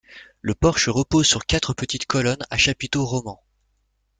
Le porche repose sur quatre petites colonnes à chapiteau roman.